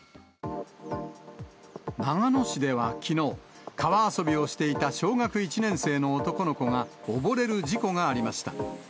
長野市ではきのう、川遊びをしていた小学１年生の男の子が溺れる事故がありました。